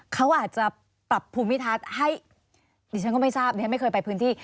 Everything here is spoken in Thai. เขาอาจจะปรับภูมิทัศน์ให้ดิฉันก็ไม่ทราบดิฉันไม่เคยไปพื้นที่